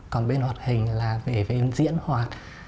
còn bên hoạt hình là về diễn hoạt